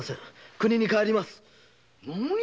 故郷に帰ります。